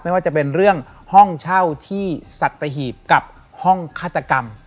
ว่าจะเป็นเรื่องห้องเช่าที่สัตหีบกับห้องฆาตกรรม